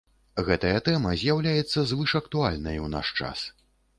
Гэтая тэма з'яўляецца звышактуальнай у наш час.